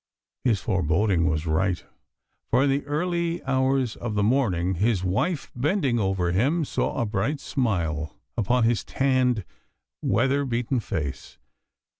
His foreboding was right, for in the early hours of the morning his wife, bending over him, saw a bright smile upon his tanned, weather beaten face.